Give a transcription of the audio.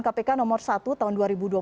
kpk nomor satu tahun dua ribu dua puluh